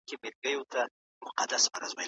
هر یرغل چی به یې کاوه د ده بری و